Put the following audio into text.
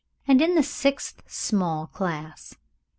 and in the sixth small class.